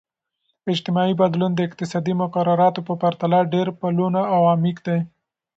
اجتماعي بدلون د اقتصادي مقرراتو په پرتله ډیر پلنو او عمیق دی.